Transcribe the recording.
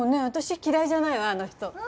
私嫌いじゃないわあの人。